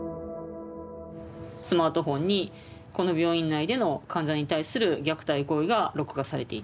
スマートフォンにこの病院内での患者に対する虐待行為が録画されていて。